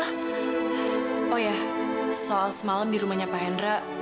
oh ya soal semalam di rumahnya pak hendra